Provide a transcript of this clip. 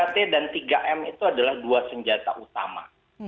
tiga t dan tiga m itu adalah dua senjata utama